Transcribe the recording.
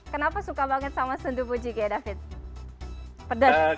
kenapa suka banget sama sundubu jjigae david pedas